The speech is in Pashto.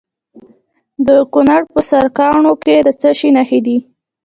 د کونړ په سرکاڼو کې د څه شي نښې دي؟